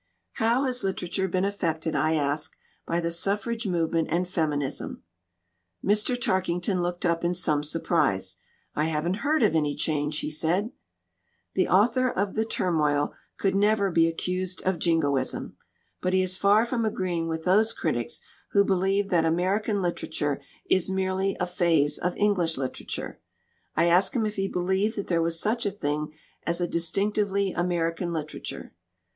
"How has literature been affected," I asked, "by the suffrage movement and feminism?" Mr. Tarkington looked up in some surprise. "I haven't heard of any change," he said. The author of The Turmoil could never be ac cused of jingoism. But he is far from agreeing with those critics who believe that American litera ture is merely "a phase of English literature." 41 LITERATURE IN THE MAKING I asked him if he believed that there was such a thing as a distinctively American literature.